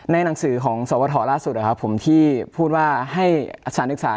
ในหนังสือของสมาธิฐราชตร์สุดนะครับผมที่พูดว่าให้ศาลศึกษาเปิดพื้นที่